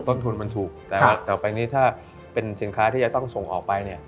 ต้นทุนมันสูงแต่ว่าต่อไปนี้ถ้าเป็นสินค้าที่จะต้องส่งออกไป